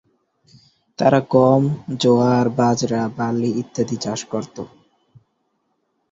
তারা গম, জোয়ার, বাজরা, বার্লি ইত্যাদির চাষ করত।